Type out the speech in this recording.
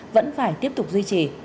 vẫn phải tiếp tục duy trì